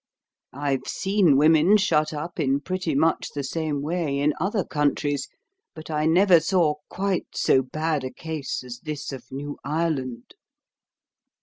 I've seen women shut up in pretty much the same way in other countries, but I never saw quite so bad a case as this of New Ireland."